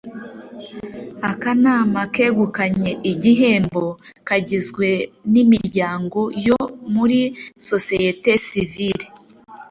Akanama kegukanye igihembo kagizwe n’imiryango yo muri sosiyete sivile